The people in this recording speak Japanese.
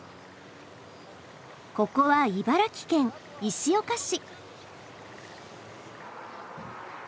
ここは茨城県石岡市。